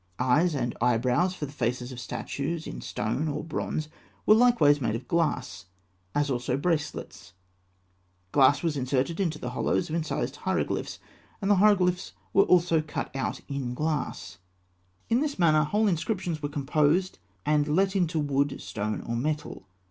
Eyes and eyebrows for the faces of statues in stone or bronze were likewise made of glass, as also bracelets. Glass was inserted into the hollows of incised hieroglyphs, and hieroglyphs were also cut out in glass. In this manner, whole inscriptions were composed, and let into wood, stone, or metal.